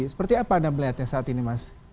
seperti apa anda melihatnya saat ini mas